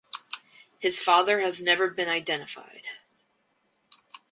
His father has never been identified.